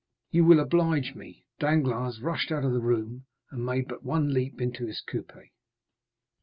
"You will oblige me." Danglars rushed out of the room, and made but one leap into his coupé.